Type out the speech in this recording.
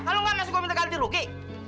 kalau enggak masih gue minta ganti rugi